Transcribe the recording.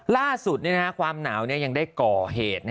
ล่าสุดความหนาวยังได้ก่อเหตุ